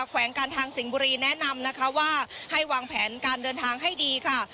แวงการทางสิงห์บุรีแนะนำนะคะว่าให้วางแผนการเดินทางให้ดีค่ะ